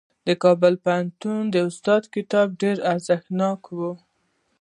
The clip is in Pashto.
د کابل پوهنتون د استاد کتاب ډېر ارزښتناک و.